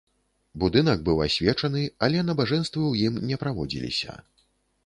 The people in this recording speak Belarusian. Будынак быў асвечаны, але набажэнствы ў ім не праводзіліся.